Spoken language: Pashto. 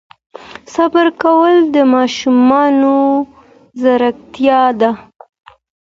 صبر کول د ماشومانو ځانګړتیا ده.